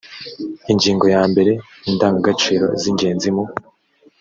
ingingo ya mbere indangagaciro z ingenzi mu